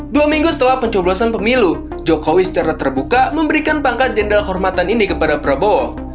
dua minggu setelah pencoblosan pemilu jokowi secara terbuka memberikan pangkat jenderal kehormatan ini kepada prabowo